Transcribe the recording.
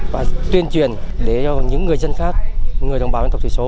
và tuyên truyền để cho những người dân khác người đồng bào dân tộc thủy số